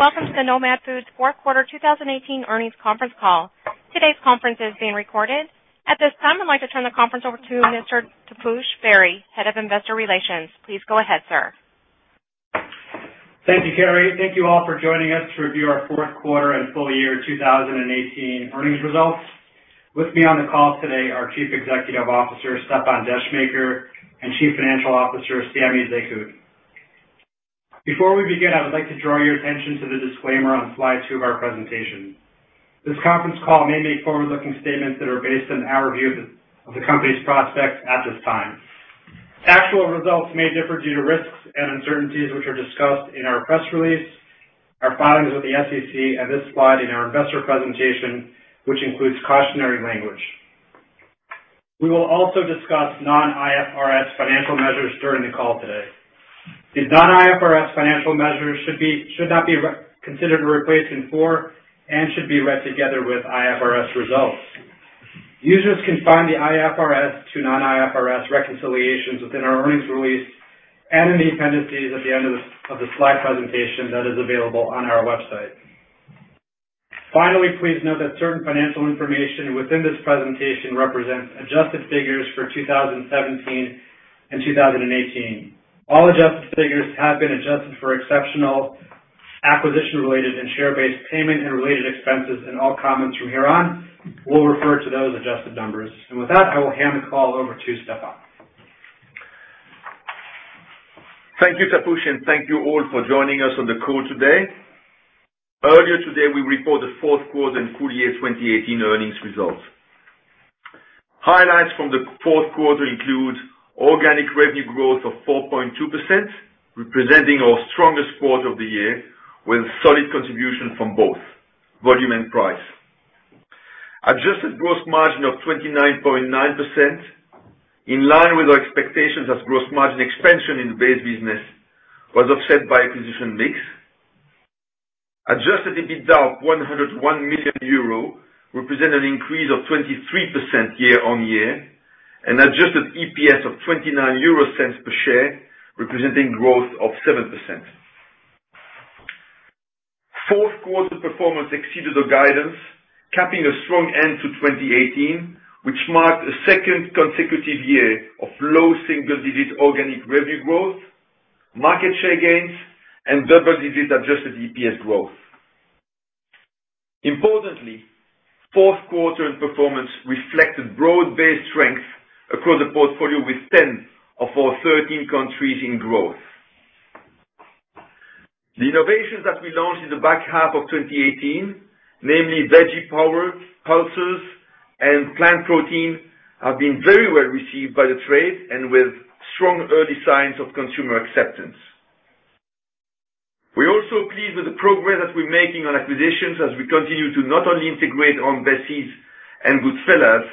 Good day, welcome to the Nomad Foods Q4 2018 Earnings Conference Call. Today's conference is being recorded. At this time, I'd like to turn the conference over to Mr. Taposh Bari, Head of Investor Relations. Please go ahead, sir. Thank you, Carrie. Thank you all for joining us to review our Q4 and full year 2018 earnings results. With me on the call today are Chief Executive Officer, Stéfan Descheemaeker, and Chief Financial Officer, Samy Zekhout. Before we begin, I would like to draw your attention to the disclaimer on slide two of our presentation. This conference call may make forward-looking statements that are based on our view of the company's prospects at this time. Actual results may differ due to risks and uncertainties, which are discussed in our press release, our filings with the SEC, and this slide in our investor presentation, which includes cautionary language. We will also discuss non-IFRS financial measures during the call today. The non-IFRS financial measures should not be considered a replacement for, and should be read together with IFRS results. Users can find the IFRS to non-IFRS reconciliations within our earnings release and in the appendices at the end of the slide presentation that is available on our website. Finally, please note that certain financial information within this presentation represents adjusted figures for 2017 and 2018. All adjusted figures have been adjusted for exceptional acquisition-related and share-based payment and related expenses, all comments from here on will refer to those adjusted numbers. With that, I will hand the call over to Stéfan. Thank you, Taposh, thank you all for joining us on the call today. Earlier today, we reported Q4 and full year 2018 earnings results. Highlights from the Q4 include organic revenue growth of 4.2%, representing our strongest quarter of the year, with solid contribution from both volume and price. Adjusted gross margin of 29.9%, in line with our expectations as gross margin expansion in the base business was offset by acquisition mix. Adjusted EBITDA of 101 million euro, represent an increase of 23% year-on-year. Adjusted EPS of 0.29 per share, representing growth of 7%. Q4 performance exceeded our guidance, capping a strong end to 2018, which marked a second consecutive year of low single-digit organic revenue growth, market share gains, and double-digit adjusted EPS growth. Importantly, Q4 performance reflected broad-based strength across the portfolio with 10 of our 13 countries in growth. The innovations that we launched in the back half of 2018, namely Veggie Power, Pulses, and Plant Protein, have been very well received by the trade and with strong early signs of consumer acceptance. We are also pleased with the progress that we are making on acquisitions as we continue to not only integrate Aunt Bessie's and Goodfella's,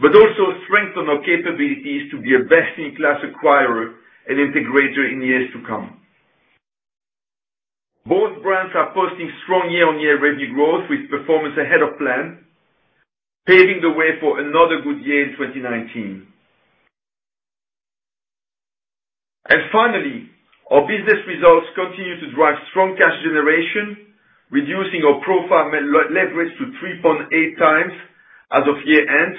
but also strengthen our capabilities to be a best-in-class acquirer and integrator in years to come. Both brands are posting strong year-on-year revenue growth with performance ahead of plan, paving the way for another good year in 2019. Finally, our business results continue to drive strong cash generation, reducing our profile leverage to 3.8x as of year-end,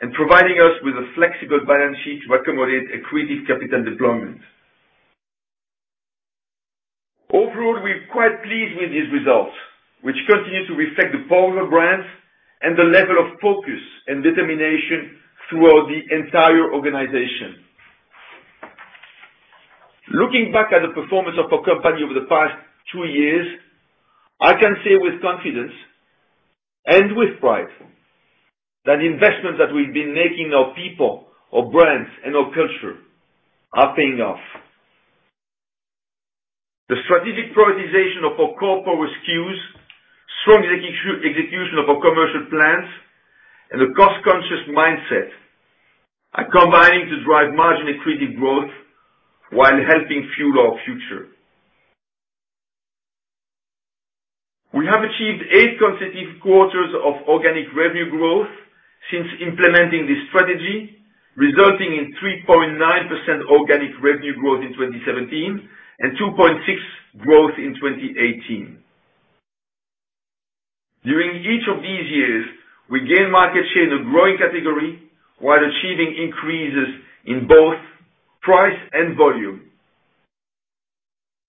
and providing us with a flexible balance sheet to accommodate accretive capital deployment. Overall, we are quite pleased with these results, which continue to reflect the power of brands and the level of focus and determination throughout the entire organization. Looking back at the performance of our company over the past two years, I can say with confidence and with pride that investments that we have been making in our people, our brands, and our culture are paying off. The strategic prioritization of our core power SKUs, strong execution of our commercial plans, and a cost-conscious mindset are combining to drive margin accretive growth while helping fuel our future. We have achieved eight consecutive quarters of organic revenue growth since implementing this strategy, resulting in 3.9% organic revenue growth in 2017 and 2.6% growth in 2018. During each of these years, we gained market share in a growing category while achieving increases in both price and volume.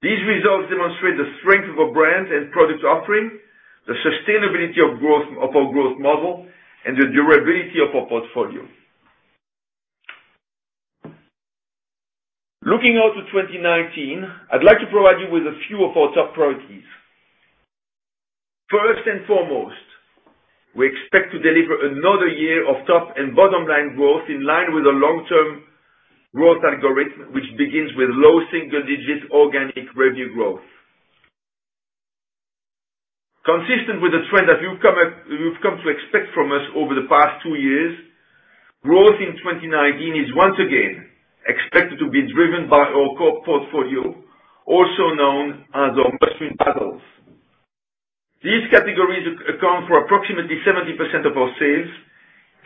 These results demonstrate the strength of our brands and product offering, the sustainability of our growth model, and the durability of our portfolio. Looking out to 2019, I would like to provide you with a few of our top priorities. First and foremost, we expect to deliver another year of top and bottom line growth in line with our long-term growth algorithm, which begins with low single-digit organic revenue growth. Consistent with the trend that you have come to expect from us over the past two years, growth in 2019 is once again expected to be driven by our core portfolio, also known as our must-win battles. These categories account for approximately 70% of our sales,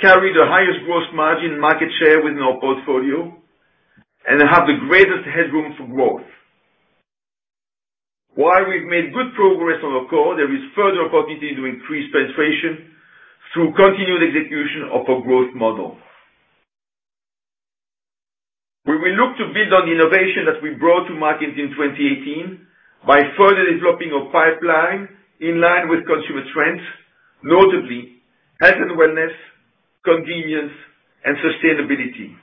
carry the highest growth margin market share within our portfolio, and have the greatest headroom for growth. While we have made good progress on our core, there is further opportunity to increase penetration through continued execution of our growth model. We will look to build on the innovation that we brought to market in 2018 by further developing our pipeline in line with consumer trends, notably health and wellness, convenience, and sustainability.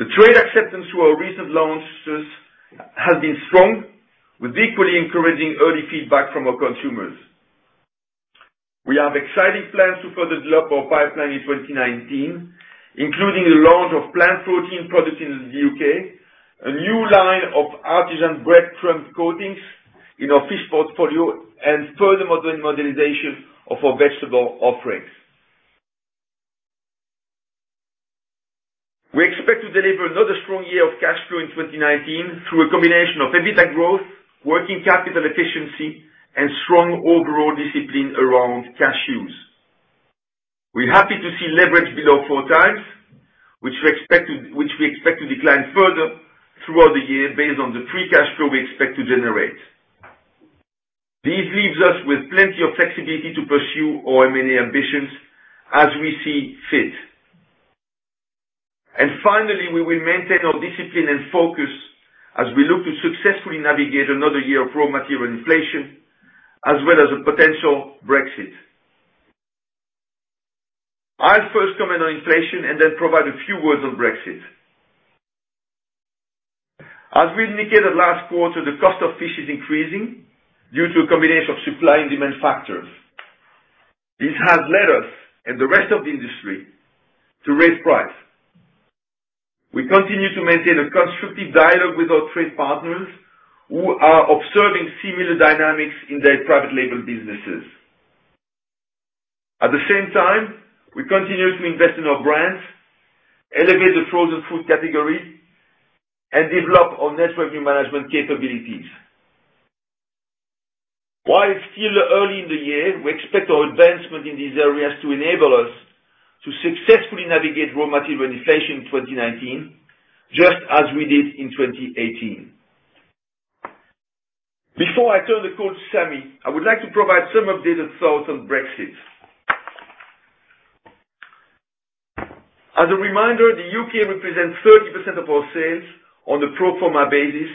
The trade acceptance to our recent launches has been strong, with equally encouraging early feedback from our consumers. We have exciting plans to further develop our pipeline in 2019, including the launch of Plant Protein products in the U.K., a new line of artisan breadcrumb coatings in our fish portfolio, and further modernization of our vegetable offerings. We expect to deliver another strong year of cash flow in 2019 through a combination of EBITDA growth, working capital efficiency, and strong overall discipline around cash use. We're happy to see leverage below four times, which we expect to decline further throughout the year based on the free cash flow we expect to generate. This leaves us with plenty of flexibility to pursue our M&A ambitions as we see fit. Finally, we will maintain our discipline and focus as we look to successfully navigate another year of raw material inflation, as well as a potential Brexit. I'll first comment on inflation and then provide a few words on Brexit. As we indicated last quarter, the cost of fish is increasing due to a combination of supply and demand factors. This has led us and the rest of the industry to raise price. We continue to maintain a constructive dialogue with our trade partners, who are observing similar dynamics in their private label businesses. At the same time, we continue to invest in our brands, elevate the frozen food category, and develop our net revenue management capabilities. While it's still early in the year, we expect our advancement in these areas to enable us to successfully navigate raw material inflation in 2019, just as we did in 2018. Before I turn the call to Samy, I would like to provide some updated thoughts on Brexit. As a reminder, the U.K. represents 30% of our sales on a pro forma basis,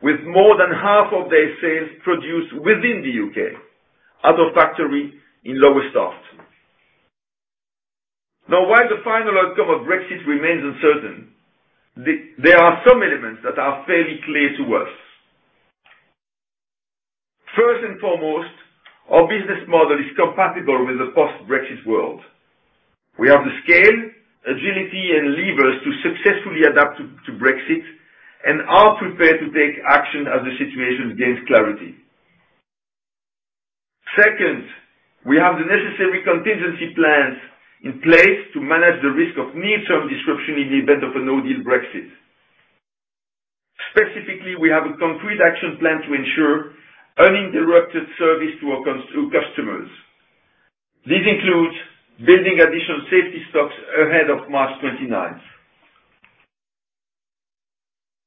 with more than half of their sales produced within the U.K. at our factory in Lowestoft. While the final outcome of Brexit remains uncertain, there are some elements that are fairly clear to us. First and foremost, our business model is compatible with the post-Brexit world. We have the scale, agility, and levers to successfully adapt to Brexit and are prepared to take action as the situation gains clarity. Second, we have the necessary contingency plans in place to manage the risk of near-term disruption in the event of a no-deal Brexit. Specifically, we have a concrete action plan to ensure uninterrupted service to customers. This includes building additional safety stocks ahead of March 29th.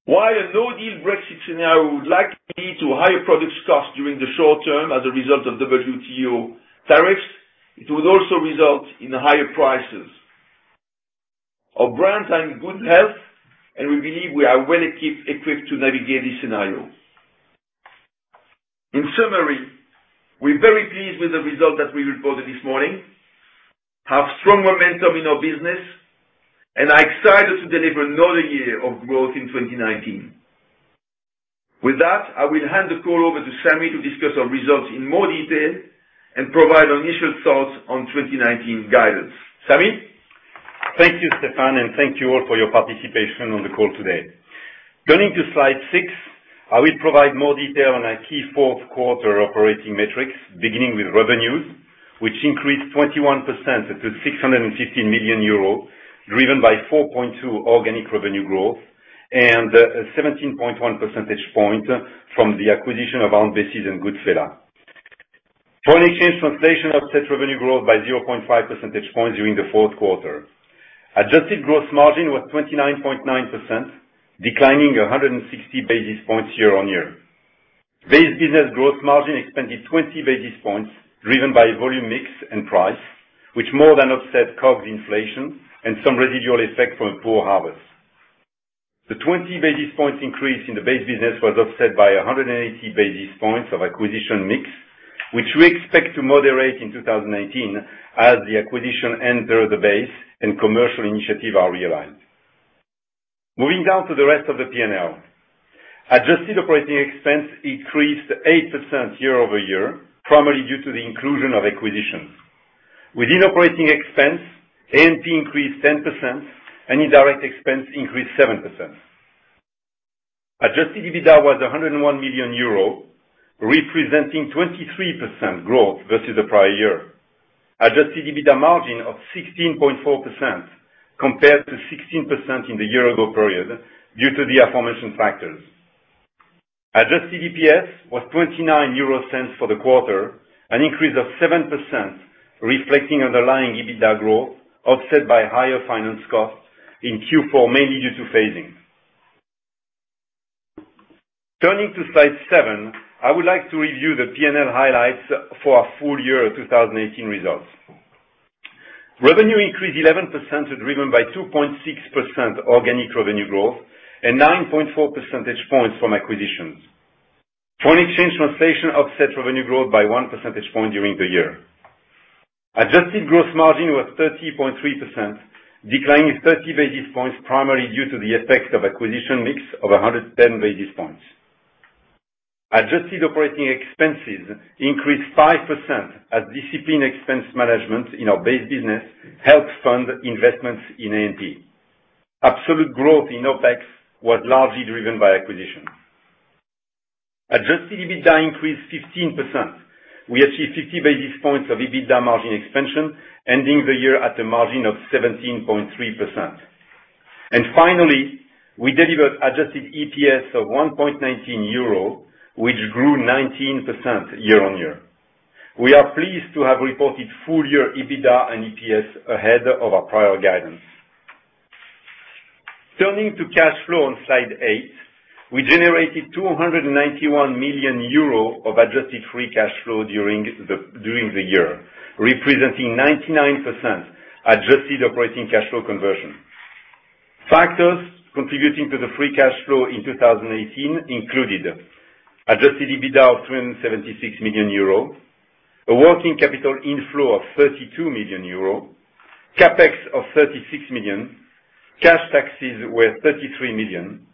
While a no-deal Brexit scenario would likely lead to higher product costs during the short term as a result of WTO tariffs, it would also result in higher prices. Our brands are in good health, and we believe we are well-equipped to navigate this scenario. In summary, we're very pleased with the results that we reported this morning, have strong momentum in our business, and are excited to deliver another year of growth in 2019. With that, I will hand the call over to Samy to discuss our results in more detail and provide our initial thoughts on 2019 guidance. Samy? Thank you, Stéfan, and thank you all for your participation on the call today. Going to slide six, I will provide more detail on our key Q4 operating metrics, beginning with revenues, which increased 21% to 650 million euros, driven by 4.2% organic revenue growth and 17.1 percentage point from the acquisition of Aunt Bessie's and Goodfella's. Foreign exchange translation offset revenue growth by 0.5 percentage points during the Q4. Adjusted gross margin was 29.9%, declining 160 basis points year-on-year. Base business gross margin expanded 20 basis points, driven by volume mix and price, which more than offset COGS inflation and some residual effect from a poor harvest. The 20 basis points increase in the base business was offset by 180 basis points of acquisition mix, which we expect to moderate in 2019 as the acquisition enter the base and commercial initiative are realized. Moving down to the rest of the P&L. Adjusted operating expense increased 8% year-over-year, primarily due to the inclusion of acquisitions. Within operating expense, A&P increased 10%, and indirect expense increased 7%. Adjusted EBITDA was 101 million euro, representing 23% growth versus the prior year. Adjusted EBITDA margin of 16.4% compared to 16% in the year ago period due to the aforementioned factors. Adjusted EPS was 0.29 for the quarter, an increase of 7%, reflecting underlying EBITDA growth offset by higher finance costs in Q4, mainly due to phasing. Turning to slide seven, I would like to review the P&L highlights for our full year 2018 results. Revenue increased 11%, driven by 2.6% organic revenue growth and 9.4 percentage points from acquisitions. Foreign exchange translation offset revenue growth by one percentage point during the year. Adjusted gross margin was 30.3%, declining 30 basis points primarily due to the effect of acquisition mix of 110 basis points. Adjusted operating expenses increased 5% as disciplined expense management in our base business helps fund investments in A&P. Absolute growth in OpEx was largely driven by acquisitions. Adjusted EBITDA increased 15%. We achieved 50 basis points of EBITDA margin expansion ending the year at a margin of 17.3%. And finally, we delivered adjusted EPS of 1.19 euro, which grew 19% year-on-year. We are pleased to have reported full year EBITDA and EPS ahead of our prior guidance. Turning to cash flow on slide eight, we generated 291 million euro of adjusted free cash flow during the year, representing 99% adjusted operating cash flow conversion. Factors contributing to the free cash flow in 2018 included Adjusted EBITDA of 36 million euro, a working capital inflow of 32 million euro, CapEx of 36 million, cash taxes were 33 million,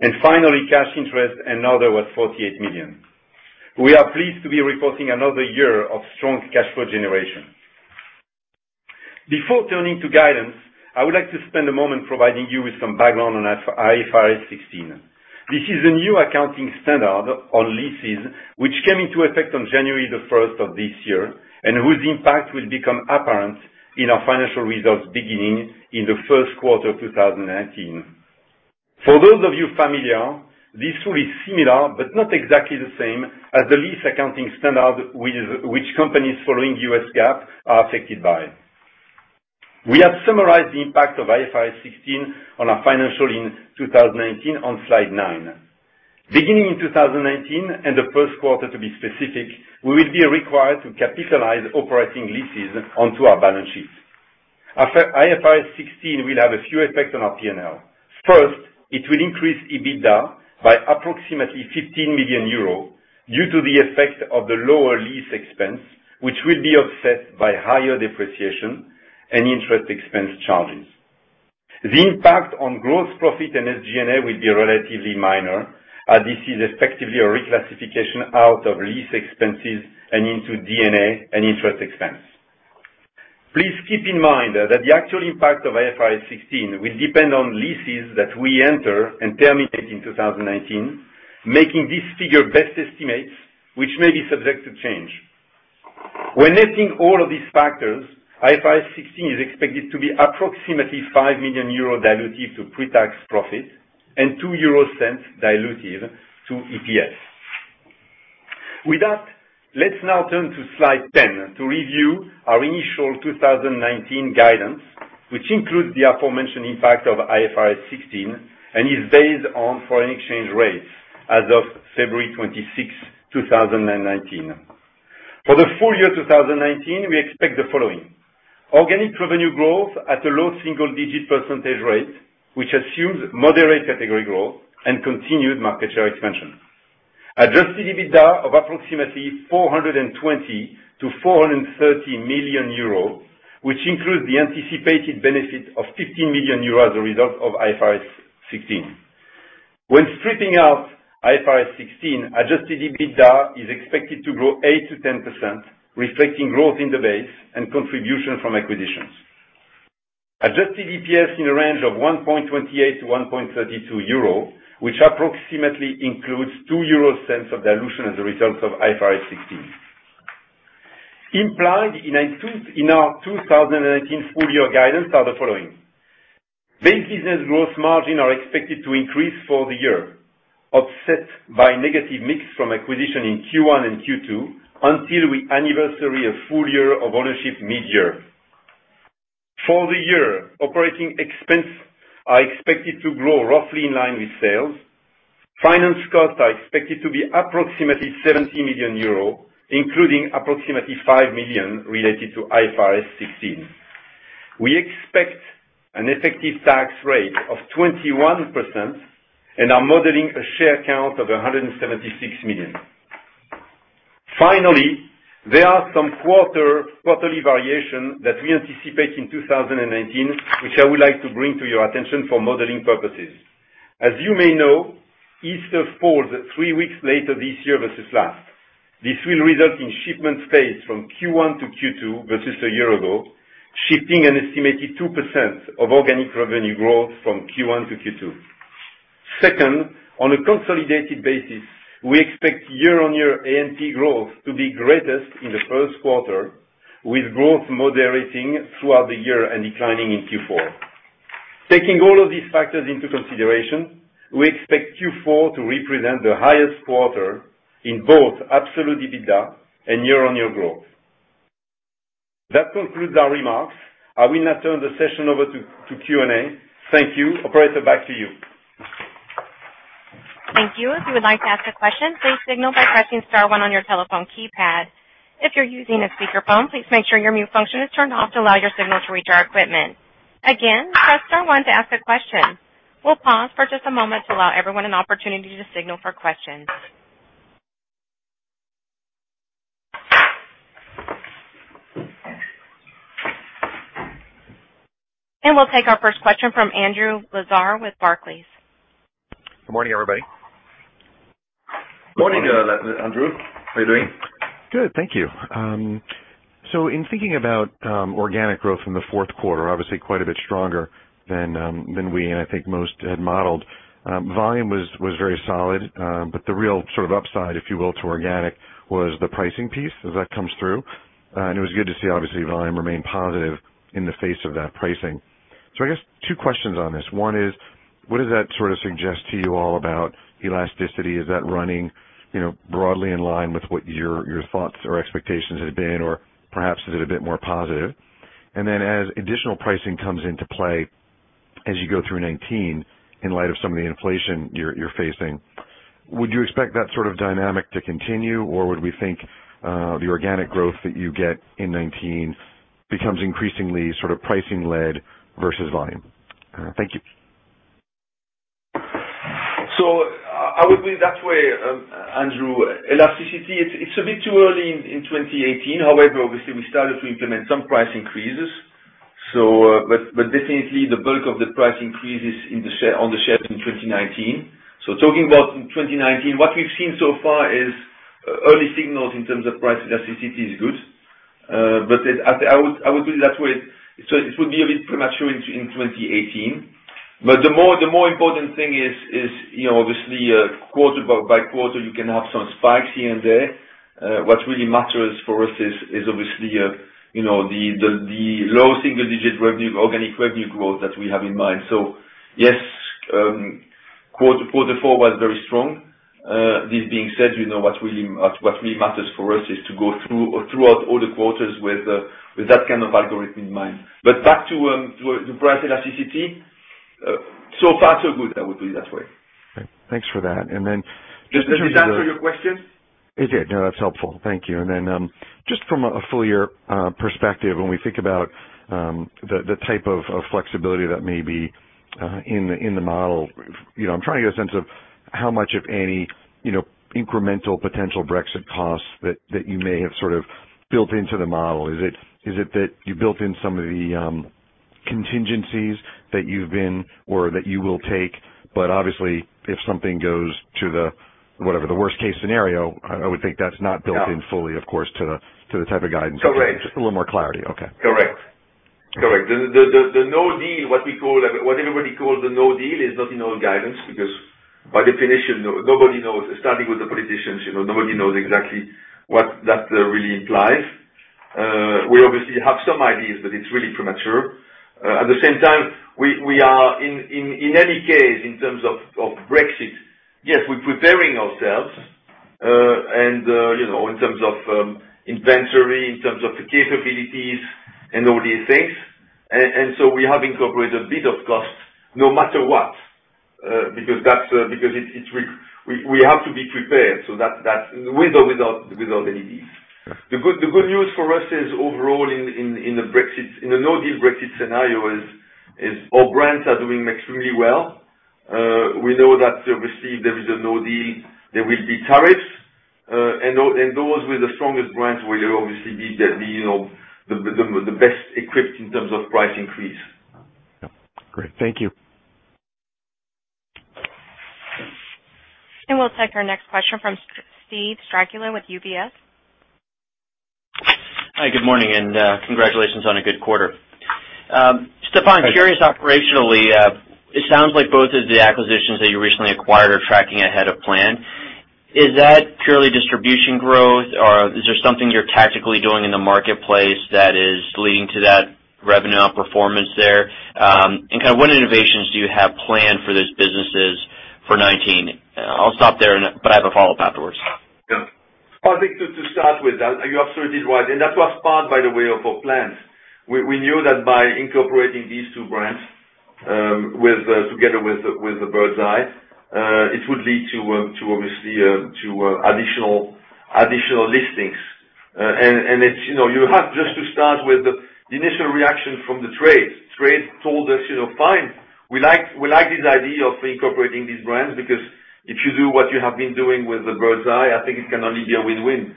and finally, cash interest and other was 48 million. We are pleased to be reporting another year of strong cash flow generation. Before turning to guidance, I would like to spend a moment providing you with some background on IFRS 16. This is a new accounting standard on leases which came into effect on January the 1st of this year, and whose impact will become apparent in our financial results beginning in the Q1 of 2019. For those of you familiar, this rule is similar but not exactly the same as the lease accounting standard which companies following U.S. GAAP are affected by. We have summarized the impact of IFRS 16 on our financial in 2019 on slide nine. Beginning in 2019 and the Q1 to be specific, we will be required to capitalize operating leases onto our balance sheets. After IFRS 16 will have a few effects on our P&L. First, it will increase EBITDA by approximately 15 million euros due to the effect of the lower lease expense, which will be offset by higher depreciation and interest expense charges. The impact on gross profit and SG&A will be relatively minor as this is effectively a reclassification out of lease expenses and into D&A and interest expense. Please keep in mind that the actual impact of IFRS 16 will depend on leases that we enter and terminate in 2019, making this figure best estimates which may be subject to change. When netting all of these factors, IFRS 16 is expected to be approximately 5 million euro dilutive to pre-tax profit and 0.02 dilutive to EPS. With that, let's now turn to slide 10 to review our initial 2019 guidance, which includes the aforementioned impact of IFRS 16 and is based on foreign exchange rates as of February 26, 2019. For the full year 2019, we expect the following. Organic revenue growth at a low single-digit percentage rate, which assumes moderate category growth and continued market share expansion. Adjusted EBITDA of approximately 420 million-430 million euros, which includes the anticipated benefit of 15 million euros as a result of IFRS 16. When stripping out IFRS 16, Adjusted EBITDA is expected to grow 8%-10%, reflecting growth in the base and contribution from acquisitions. Adjusted EPS in a range of 1.28-1.32 euro, which approximately includes 0.02 of dilution as a result of IFRS 16. Implied in our 2019 full year guidance are the following. Base business gross margin are expected to increase for the year, offset by negative mix from acquisition in Q1 and Q2 until we anniversary a full year of ownership mid-year. For the year, operating expense are expected to grow roughly in line with sales. Finance costs are expected to be approximately 70 million euro, including approximately 5 million related to IFRS 16. We expect an effective tax rate of 21% and are modeling a share count of 176 million. Finally, there are some quarterly variation that we anticipate in 2019, which I would like to bring to your attention for modeling purposes. As you may know, Easter falls three weeks later this year versus last. This will result in shipments phased from Q1 to Q2 versus a year ago, shifting an estimated 2% of organic revenue growth from Q1 to Q2. Second, on a consolidated basis, we expect year-on-year A&P growth to be greatest in the Q1, with growth moderating throughout the year and declining in Q4. Taking all of these factors into consideration, we expect Q4 to represent the highest quarter in both absolute EBITDA and year-on-year growth. That concludes our remarks. I will now turn the session over to Q&A. Thank you. Operator, back to you. Thank you. If you would like to ask a question, please signal by pressing star one on your telephone keypad. If you're using a speakerphone, please make sure your mute function is turned off to allow your signal to reach our equipment. Again, press star one to ask a question. We'll pause for just a moment to allow everyone an opportunity to signal for questions. We'll take our first question from Andrew Lazar with Barclays. Good morning, everybody. Morning, Andrew. How you doing? Good, thank you. In thinking about organic growth in the Q4, obviously quite a bit stronger than we, and I think most, had modeled. Volume was very solid. The real upside, if you will, to organic was the pricing piece, as that comes through. It was good to see, obviously, volume remain positive in the face of that pricing. I guess two questions on this. One is, what does that suggest to you all about elasticity? Is that running broadly in line with what your thoughts or expectations had been, or perhaps is it a bit more positive? As additional pricing comes into play, as you go through 2019, in light of some of the inflation you're facing, would you expect that sort of dynamic to continue, or would we think the organic growth that you get in 2019 becomes increasingly pricing led versus volume? Thank you. I would put it that way, Andrew, elasticity, it's a bit too early in 2018. However, obviously, we started to implement some price increases. Definitely the bulk of the price increase is on the shelf in 2019. Talking about in 2019, what we've seen so far is early signals in terms of price elasticity is good. I would put it that way. It would be a bit premature in 2018. The more important thing is obviously quarter by quarter, you can have some spikes here and there. What really matters for us is obviously the low single-digit organic revenue growth that we have in mind. Yes, Q4 was very strong. This being said, what really matters for us is to go throughout all the quarters with that kind of algorithm in mind. Back to price elasticity, so far so good. I would put it that way. Okay. Thanks for that. Does that answer your question? It did. That's helpful. Thank you. Just from a full year perspective, when we think about the type of flexibility that may be in the model, I'm trying to get a sense of how much, if any, incremental potential Brexit costs that you may have built into the model. Is it that you built in some of the contingencies that you've been or that you will take, but obviously if something goes to the, whatever, the worst-case scenario, I would think that's not built in fully, of course, to the type of guidance? Correct. Just a little more clarity. Correct. The no deal, what everybody calls the no deal is not in our guidance because by definition, nobody knows, starting with the politicians, nobody knows exactly what that really implies. We obviously have some ideas, but it's really premature. At the same time, we are, in any case, in terms of Brexit, yes, we're preparing ourselves, and in terms of inventory, in terms of the capabilities and all these things. We have incorporated a bit of cost no matter what, because we have to be prepared, that's with or without any deals. The good news for us is overall in the no-deal Brexit scenario is our brands are doing extremely well. We know that obviously if there is a no deal, there will be tariffs, and those with the strongest brands will obviously be the best equipped in terms of price increase. Yep. Great. Thank you. We'll take our next question from Steve Strycula with UBS. Hi, good morning, and congratulations on a good quarter. Thank you. Stéfan, curious operationally, it sounds like both of the acquisitions that you recently acquired are tracking ahead of plan. Is that purely distribution growth, or is there something you're tactically doing in the marketplace that is leading to that revenue performance there? What innovations do you have planned for those businesses for 2019? I'll stop there, but I have a follow-up afterwards. Yeah. I think to start with, you are absolutely right, that was part, by the way, of our plans. We knew that by incorporating these two brands together with the Birds Eye, it would lead to obviously additional listings. You have just to start with the initial reaction from the trade. Trade told us, fine, we like this idea of incorporating these brands because if you do what you have been doing with the Birds Eye, I think it can only be a win-win.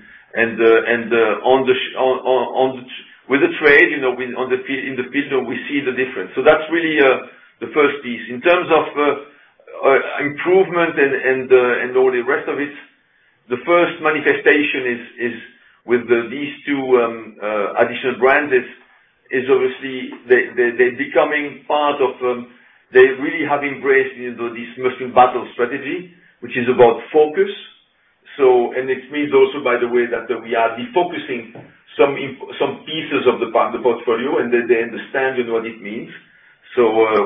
With the trade, in the field, we see the difference. That's really the first piece. In terms of improvement and all the rest of it. The first manifestation is with these two additional brands. They really have embraced this must-win battle strategy, which is about focus. It means also, by the way, that we are defocusing some pieces of the portfolio and that they understand what it means,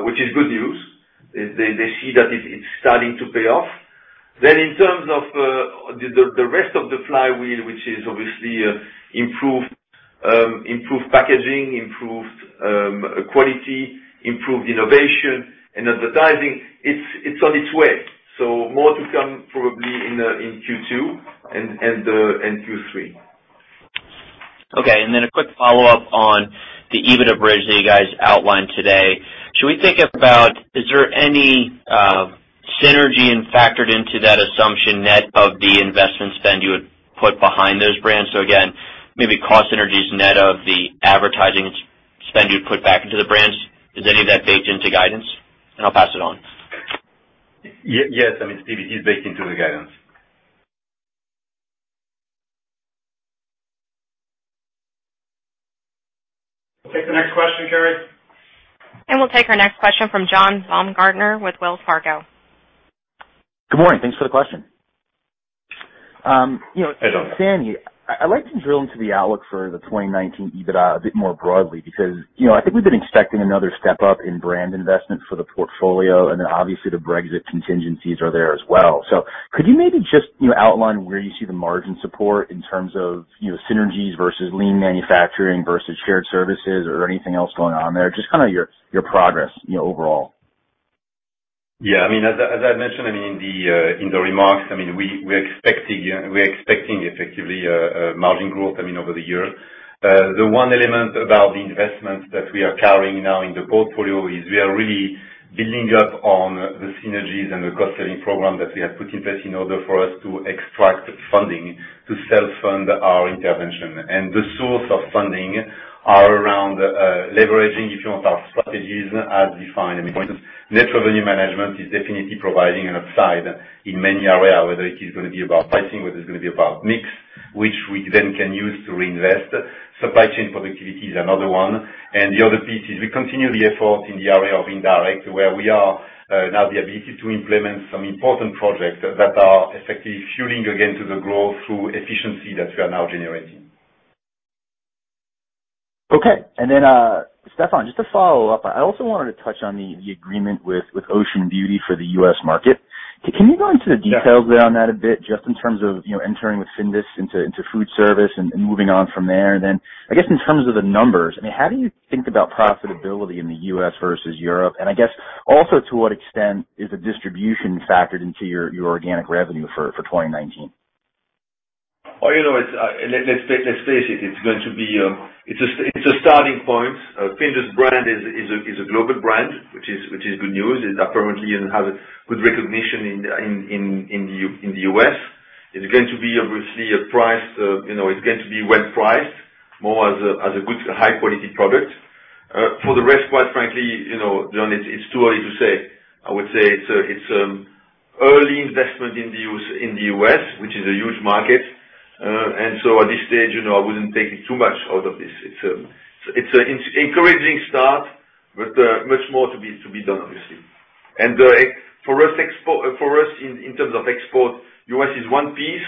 which is good news. They see that it's starting to pay off. In terms of the rest of the flywheel, which is obviously improved packaging, improved quality, improved innovation, and advertising, it's on its way. More to come probably in Q2 and Q3. Okay. A quick follow-up on the EBITDA bridge that you guys outlined today. Should we think about, is there any synergy factored into that assumption net of the investment spend you would put behind those brands? Again, maybe cost synergies net of the advertising spend you'd put back into the brands. Is any of that baked into guidance? I'll pass it on. Yes. It is baked into the guidance. We'll take the next question, Carrie. We'll take our next question from John Baumgartner with Wells Fargo. Good morning. Thanks for the question. Hi, John. Samy, I'd like to drill into the outlook for the 2019 EBITDA a bit more broadly because I think we've been expecting another step up in brand investment for the portfolio, and then obviously the Brexit contingencies are there as well. Could you maybe just outline where you see the margin support in terms of synergies versus lean manufacturing versus shared services or anything else going on there? Just your progress overall. Yeah. As I mentioned in the remarks, we're expecting effectively margin growth over the year. The one element about the investments that we are carrying now in the portfolio is we are really building up on the synergies and the cost-saving program that we have put in place in order for us to extract funding to self-fund our intervention. The source of funding are around leveraging, if you want, our strategies as defined. I mean, net revenue management is definitely providing an upside in many areas, whether it is going to be about pricing, whether it's going to be about mix, which we then can use to reinvest. Supply chain productivity is another one. The other piece is we continue the effort in the area of indirect, where we are now the ability to implement some important projects that are effectively fueling again to the growth through efficiency that we are now generating. Okay. Stéfan, just to follow up, I also wanted to touch on the agreement with Ocean Beauty for the U.S. market. Can you go into the details there on that a bit, just in terms of entering with Findus into food service and moving on from there? I guess in terms of the numbers, how do you think about profitability in the U.S. versus Europe? I guess also to what extent is the distribution factored into your organic revenue for 2019? Let's face it's a starting point. Findus brand is a global brand, which is good news. Apparently, it has a good recognition in the U.S. It's going to be well-priced more as a good high-quality product. For the rest, quite frankly, John, it's too early to say. I would say it's early investment in the U.S., which is a huge market. At this stage, I wouldn't take too much out of this. It's an encouraging start, but much more to be done, obviously. For us in terms of export, U.S. is one piece.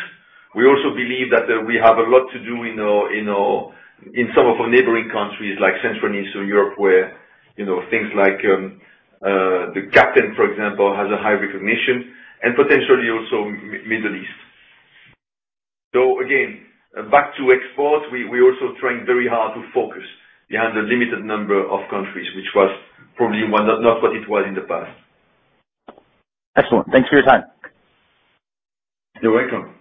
We also believe that we have a lot to do in some of our neighboring countries, like Central and Eastern Europe, where things like the Captain, for example, has a high recognition, and potentially also Middle East. Again, back to export, we're also trying very hard to focus behind a limited number of countries, which was probably not what it was in the past. Excellent. Thanks for your time. You're welcome.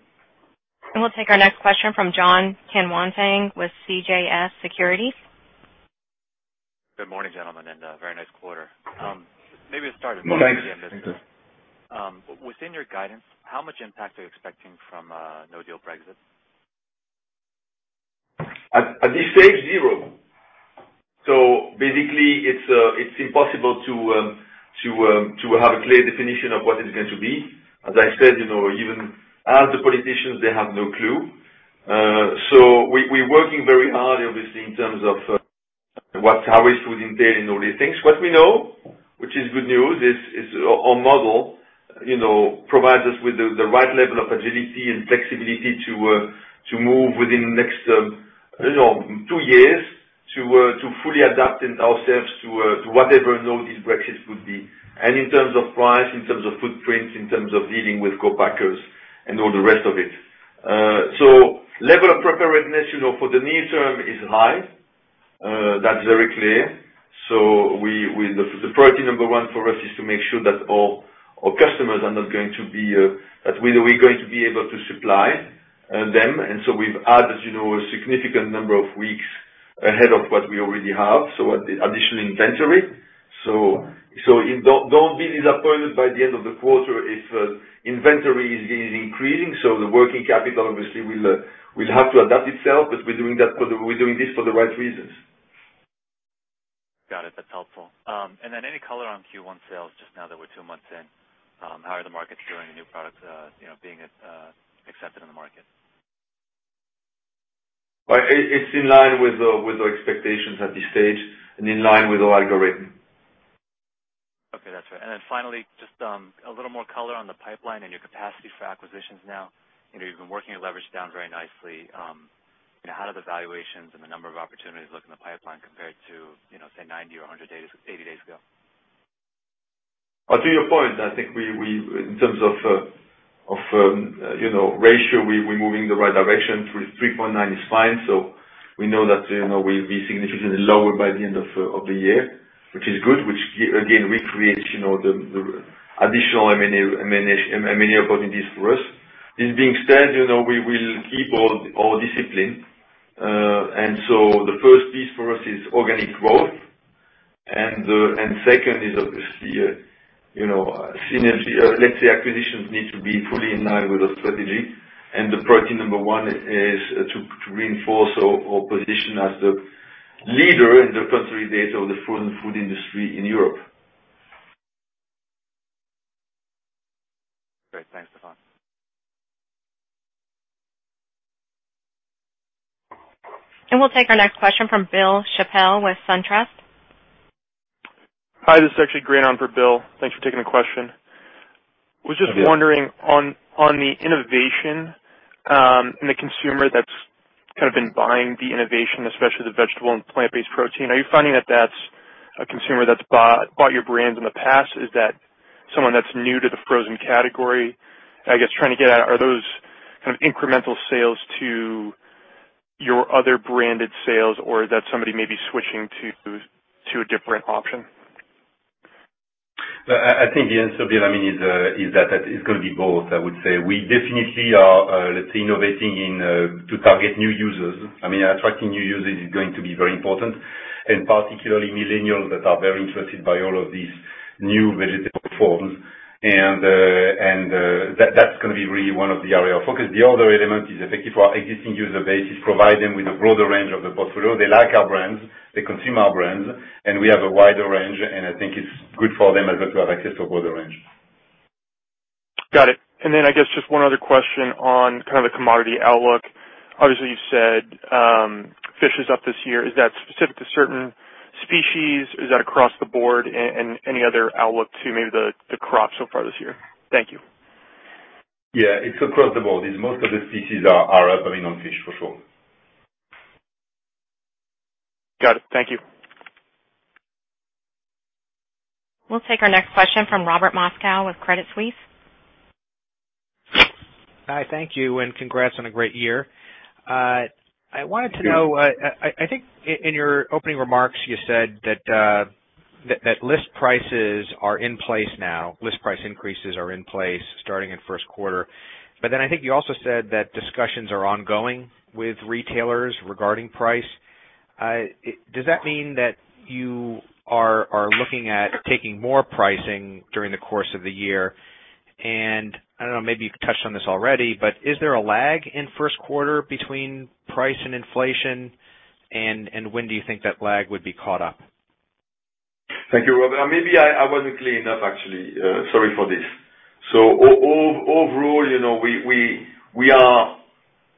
We'll take our next question from Jon Tanwanteng with CJS Securities. Good morning, gentlemen, and a very nice quarter. Thanks. Maybe to start. Within your guidance, how much impact are you expecting from a no-deal Brexit? At this stage, zero. Basically, it's impossible to have a clear definition of what it's going to be. As I said, even as the politicians, they have no clue. We're working very hard, obviously, in terms of how it would entail and all these things. What we know, which is good news, is our model provides us with the right level of agility and flexibility to move within the next two years to fully adapt ourselves to whatever now this Brexit would be, and in terms of price, in terms of footprints, in terms of dealing with co-packers, and all the rest of it. Level of preparedness for the near term is high. That's very clear. The priority number one for us is to make sure that we're going to be able to supply them. We've added a significant number of weeks ahead of what we already have, additional inventory. Don't be disappointed by the end of the quarter if inventory is increasing. The working capital obviously will have to adapt itself, but we're doing this for the right reasons. Got it. That's helpful. Any color on Q1 sales, just now that we're two months in? How are the markets doing, the new products being accepted in the market? Well, it's in line with our expectations at this stage and in line with our algorithm. Okay, that's fair. Finally, just a little more color on the pipeline and your capacity for acquisitions now. I know you've been working your leverage down very nicely. How do the valuations and the number of opportunities look in the pipeline compared to, say, 90 or 180 days ago? To your point, I think in terms of ratio, we're moving in the right direction. 3.9 is fine. We know that we'll be significantly lower by the end of the year, which is good, which again, creates the additional M&A opportunities for us. This being said, we will keep our discipline. The first piece for us is organic growth, and second is obviously, synergy. Let's say acquisitions need to be fully in line with our strategy. The priority number one is to reinforce our position as the leader in the category of the frozen food industry in Europe. Great. Thanks, Stéfan. We'll take our next question from Bill Chappell with SunTrust. Hi, this is actually Grant on for Bill. Thanks for taking the question. Yes. Was just wondering on the innovation, and the consumer that's kind of been buying the innovation, especially the vegetable and plant-based protein. Are you finding that that's a consumer that's bought your brands in the past? Is that someone that's new to the frozen category? I guess trying to get at, are those kind of incremental sales to your other branded sales, or is that somebody maybe switching to a different option? I think the answer is that it's going to be both, I would say. We definitely are, let's say, innovating to target new users. Attracting new users is going to be very important, particularly millennials that are very interested by all of these new vegetable forms. That's going to be really one of the areas of focus. The other element is I think for our existing user base, is provide them with a broader range of the portfolio. They like our brands, they consume our brands, and we have a wider range, and I think it's good for them as well to have access to a broader range. Got it. Then I guess just one other question on kind of the commodity outlook. Obviously, you said fish is up this year. Is that specific to certain species? Is that across the board? Any other outlook to maybe the crop so far this year? Thank you. Yeah, it's across the board. Most of the species are up. I mean, on fish for sure. Got it. Thank you. We'll take our next question from Robert Moskow with Credit Suisse. Hi, thank you. Congrats on a great year. Thank you. I wanted to know, I think in your opening remarks, you said that list prices are in place now, list price increases are in place starting in Q1. I think you also said that discussions are ongoing with retailers regarding price. Does that mean that you are looking at taking more pricing during the course of the year? I don't know, maybe you've touched on this already, but is there a lag in Q1 between price and inflation? When do you think that lag would be caught up? Thank you, Robert. Maybe I wasn't clear enough, actually. Sorry for this. Overall,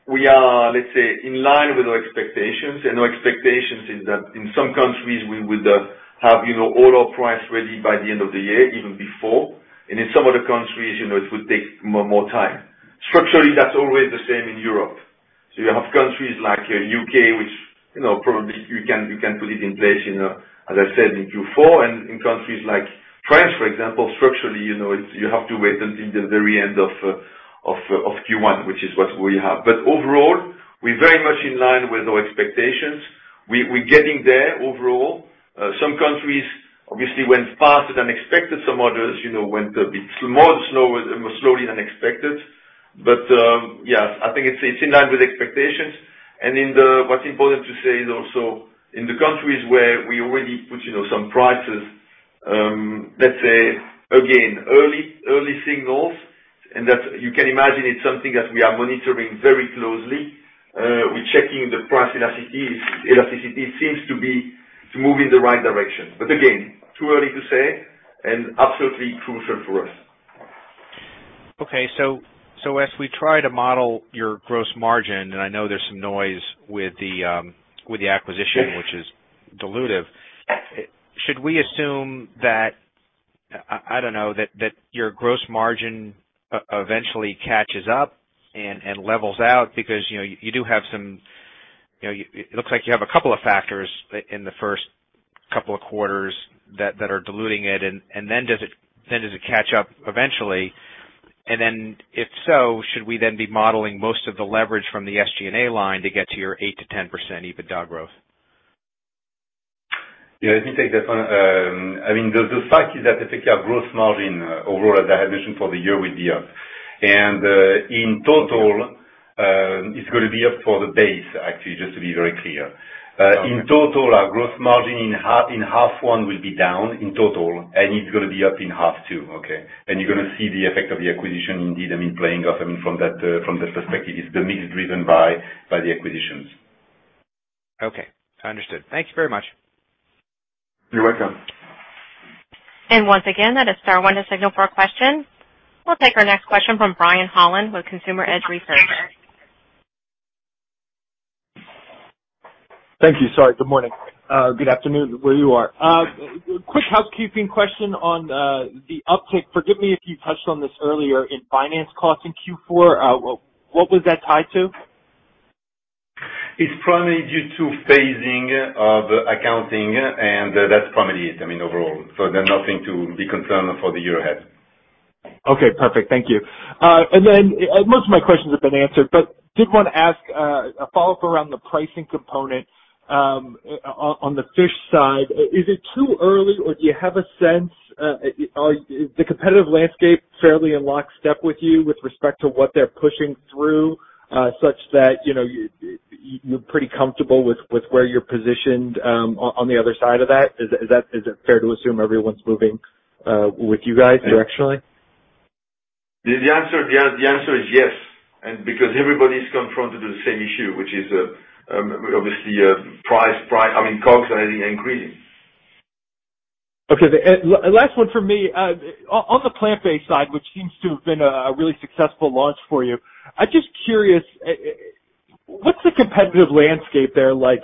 we are, let's say, in line with our expectations, and our expectations is that in some countries, we would have all our price ready by the end of the year, even before. In some other countries, it will take more time. Structurally, that's always the same in Europe. You have countries like U.K., which probably you can put it in place in, as I said, in Q4, and in countries like France, for example, structurally, you have to wait until the very end of Q1, which is what we have. Overall, we're very much in line with our expectations. We're getting there overall. Some countries obviously went faster than expected. Some others went a bit more slowly than expected. Yeah, I think it's in line with expectations. What's important to say is also in the countries where we already put some prices, let's say again, early signals, and that you can imagine it's something that we are monitoring very closely. We're checking the price elasticity. Elasticity seems to be moving in the right direction. Again, too early to say, and absolutely crucial for us. Okay. As we try to model your gross margin, and I know there's some noise with the acquisition, which is dilutive, should we assume that, I don't know, that your gross margin eventually catches up and levels out because it looks like you have a couple of factors in the first couple of quarters that are diluting it, and then does it catch up eventually? If so, should we then be modeling most of the leverage from the SG&A line to get to your 8%-10% EBITDA growth? Yeah. Let me take that one. The fact is that I think our gross margin overall, as I had mentioned for the year, will be up. In total, it's going to be up for the base, actually, just to be very clear. Okay. In total, our gross margin in half one will be down in total, and it's going to be up in half two. Okay? You're going to see the effect of the acquisition indeed, playing off from that perspective. It's the mix driven by the acquisition. Okay. Understood. Thank you very much. You're welcome. Once again, that is our signal for a question. We'll take our next question from Brian Holland with Consumer Edge Research. Thank you. Sorry. Good morning. Good afternoon, where you are. Quick housekeeping question on the uptick. Forgive me if you touched on this earlier in finance costs in Q4. What was that tied to? It's probably due to phasing of accounting, and that's probably it, I mean, overall. There's nothing to be concerned for the year ahead. Okay, perfect. Thank you. Most of my questions have been answered, but did want to ask a follow-up around the pricing component on the fish side. Is it too early or do you have a sense? Is the competitive landscape fairly in lockstep with you with respect to what they're pushing through, such that you're pretty comfortable with where you're positioned on the other side of that? Is it fair to assume everyone's moving with you guys directionally? The answer is yes. Because everybody's confronted with the same issue, which is obviously price. I mean, COGS are really increasing. Okay. Last one from me. On the plant-based side, which seems to have been a really successful launch for you. I'm just curious, what's the competitive landscape there like?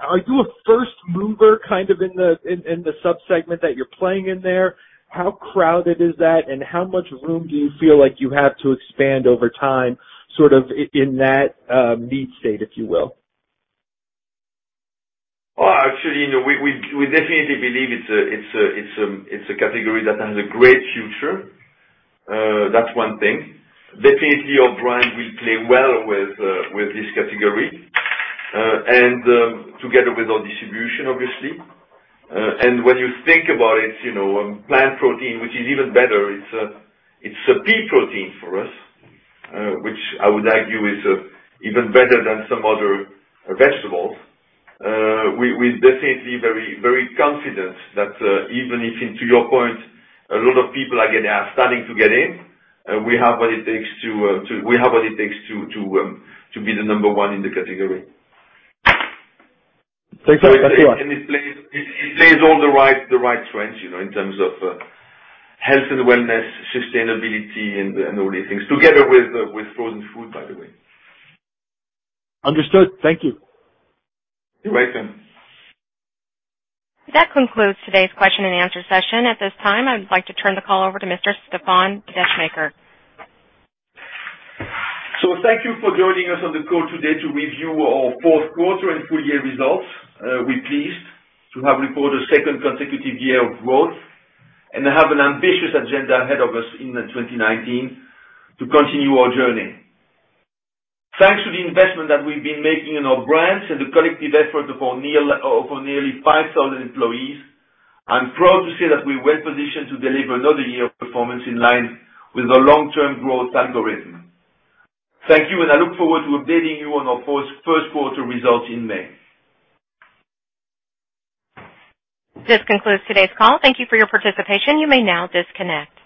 Are you a first mover in the sub-segment that you're playing in there? How crowded is that? How much room do you feel like you have to expand over time, sort of, in that niche state, if you will? Actually, we definitely believe it's a category that has a great future. That's one thing. Definitely, our brand will play well with this category, together with our distribution, obviously. When you think about it, Plant Protein, which is even better, it's a pea protein for us, which I would argue is even better than some other vegetables. We're definitely very confident that even if, to your point, a lot of people are starting to get in, we have what it takes to be the number one in the category. Thanks so much. That's it. It plays all the right trends in terms of health and wellness, sustainability, and all these things, together with frozen food, by the way. Understood. Thank you. You're welcome. That concludes today's question and answer session. At this time, I would like to turn the call over to Mr. Stéfan Descheemaeker. Thank you for joining us on the call today to review our Q4 and full year results. We're pleased to have reported a second consecutive year of growth and have an ambitious agenda ahead of us in 2019 to continue our journey. Thanks to the investment that we've been making in our brands and the collective effort of our nearly 5,000 employees, I'm proud to say that we're well-positioned to deliver another year of performance in line with our long-term growth algorithm. Thank you, and I look forward to updating you on our Q1 results in May. This concludes today's call. Thank you for your participation. You may now disconnect.